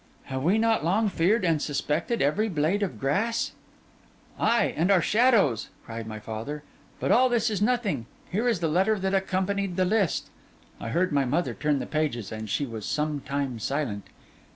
Have we not long feared and suspected every blade of grass?' 'Ay, and our shadows!' cried my father. 'But all this is nothing. Here is the letter that accompanied the list.' I heard my mother turn the pages, and she was some time silent.